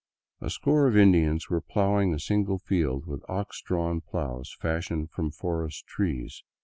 A score of Indians were plowing a single field with ox drawn plows fashioned from forest trees.